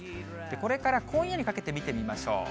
これから今夜にかけて見てみましょう。